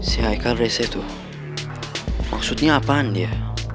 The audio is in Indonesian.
si ikal rese tuh maksudnya apaan dia